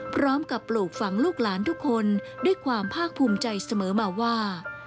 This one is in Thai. ปลูกฝังลูกหลานทุกคนด้วยความภาคภูมิใจเสมอมาว่า